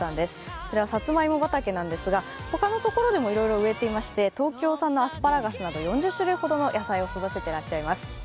こちら、さつまいも畑なんですが他のところもいろいろ植えてまして東京産のアスパラガスなど４０種類ほどの野菜を育ててらっしゃいます。